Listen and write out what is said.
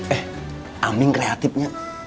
eh aming kreatifnya